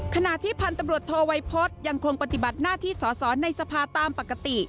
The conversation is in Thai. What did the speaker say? ขณะที่พันธุ์ตำรวจโทวัยพฤษยังคงปฏิบัติหน้าที่สอสอในสภาตามปกติ